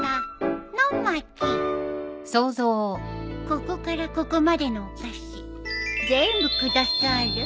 ここからここまでのお菓子全部下さる？